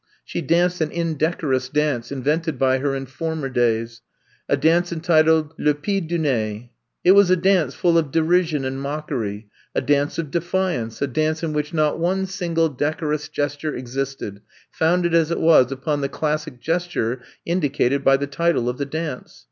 She danced an indecorous dance invented by her in former days, a dance entitled Le Pied du Nez. '^ It was a dance full of de rision and mockery, a dance of defiance, a dance in which not one single decorous gesture existed, founded as it was upon the classic gesture indicated by the title of the dance.